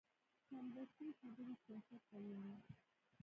سمدستي یې خبرې سیاست ته یوړې.